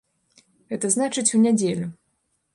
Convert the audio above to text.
Гэта значыць, у нядзелю.